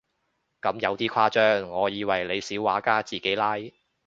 咁有啲誇張，我以為你小畫家自己拉